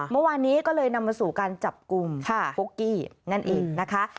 เมื่อวานนี้ก็เลยนำมาสู่การจับกลุ่มปุ๊กกี้นั่นเองนะคะ